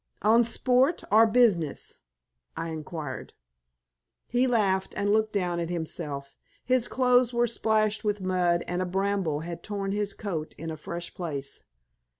"On sport or business?" I inquired. He laughed, and looked down at himself. His clothes were splashed with mud, and a bramble had torn his coat in a fresh place.